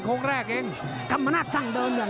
ติดตามยังน้อยกว่า